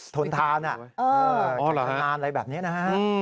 ทนทานน่ะแก่งงานอะไรแบบนี้นะครับอ๋อเหรอ